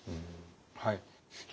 はい。